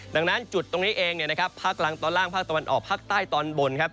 ดังนั้นจุดตรงนี้เองเนี่ยนะครับภาคกลางตอนล่างภาคตะวันออกภาคใต้ตอนบนครับ